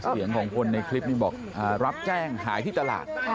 เสียงของคนในคลิปนี้บอกรับแจ้งหายที่ตลาด